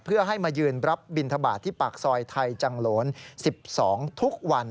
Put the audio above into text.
เพื่อให้มายืนรับบินทบาทที่ปากซอยไทยจังโหลน๑๒ทุกวัน